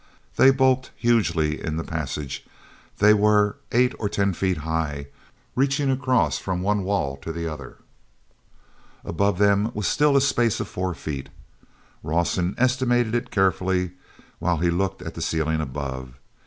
They bulked hugely in the passage. They were eight or ten feet high, reaching across from one wall to the other. Above them was still a space of four feet; Rawson estimated it carefully while he looked at the ceiling above.